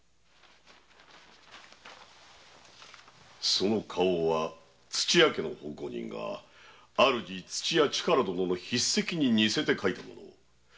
その花押は土屋家の奉公人が主土屋主税殿の筆跡に似せて書いたもの。